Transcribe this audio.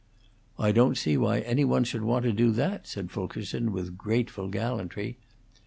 "I don't see why any one should want to do that," said Fulkerson, with grateful gallantry.